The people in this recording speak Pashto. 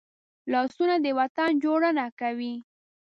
لاسونه د وطن جوړونه کوي